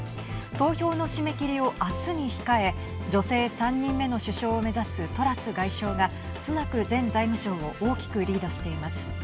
投票の締め切りを明日に控え女性３人目の首相を目指すトラス外相がスナク前財務相を大きくリードしています。